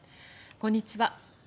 こんにちは。